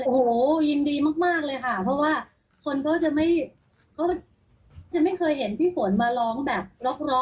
โห้ยินดีมากเพราะว่าคนก็จะไม่เคยเห็นพี่ขวนมาร้องแบบล็อก